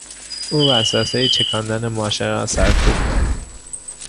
او وسوسهی چکاندن ماشه را سرکوب کرد.